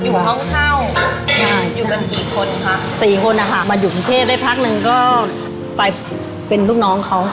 อยู่ห้องเช่าใช่อยู่กันกี่คนค่ะสี่คนนะคะมาอยู่กรุงเทพได้พักหนึ่งก็ไปเป็นลูกน้องเขาค่ะ